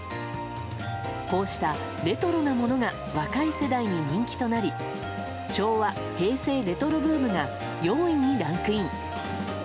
こうしたレトロなものが若い世代に人気となり昭和・平成レトロブームが４位にランクイン。